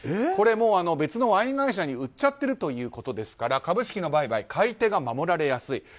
これは別のワイン会社に売っちゃってるということですから株式の売買買い手が守られやすい。